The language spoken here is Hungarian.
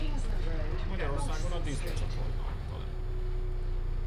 Magyarországon a Disney csatorna adta le.